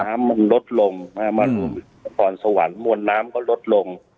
น้ำมันลดลงมาพรสวรรค์มวลน้ำก็ลดลง